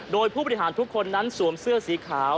โดยผู้บริหารทุกคนนั้นสวมเสื้อสีขาว